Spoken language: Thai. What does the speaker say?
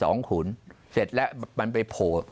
ขุนเสร็จแล้วมันไปโผล่